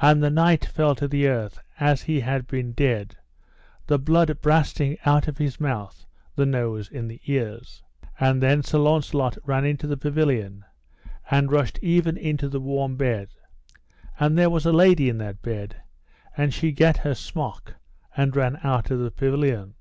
And the knight fell to the earth as he had been dead, the blood brasting out of his mouth, the nose, and the ears. And then Sir Launcelot ran into the pavilion, and rushed even into the warm bed; and there was a lady in that bed, and she gat her smock, and ran out of the pavilion.